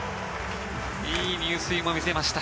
いい入水も見せました。